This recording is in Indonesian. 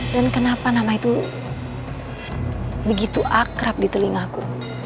dan kenapa nama itu begitu akrab di telingaku